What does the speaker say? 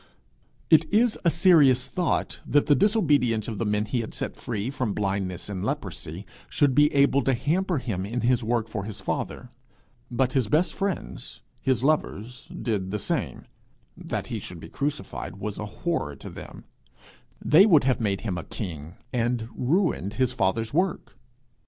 It is a serious thought that the disobedience of the men he had set free from blindness and leprosy should be able to hamper him in his work for his father. But his best friends, his lovers did the same. That he should be crucified was a horror to them; they would have made him a king, and ruined his father's work.